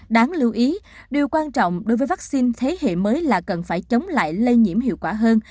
đáng lưu ý điều quan trọng đối với vaccine thế hệ mới là cần phải chống lại lây nhiễm hiệu quả hơn